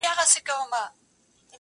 په سپینه ورځ غلو زخمي کړی تښتولی چنار!